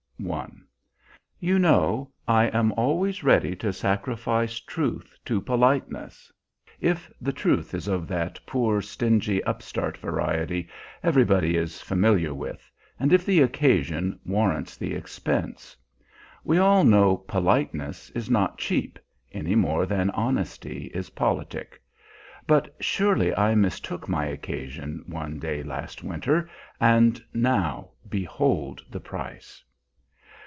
] I You know I am always ready to sacrifice truth to politeness, if the truth is of that poor, stingy upstart variety everybody is familiar with and if the occasion warrants the expense. We all know politeness is not cheap, any more than honesty is politic. But surely I mistook my occasion, one day last winter and now behold the price!